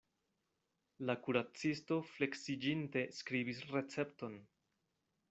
La kuracisto fleksiĝinte skribis recepton.